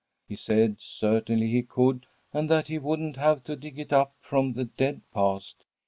He said certainly he could, and that he wouldn't have to dig it up from the dead past.